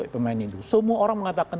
pemain itu semua orang mengatakan